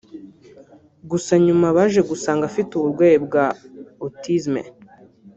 gusa nyuma baje gusanga afite uburwayi bwa autisme